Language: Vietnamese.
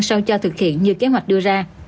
sau cho thực hiện như kế hoạch đưa ra